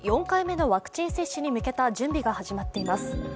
４回目のワクチン接種に向けた準備が始まっています。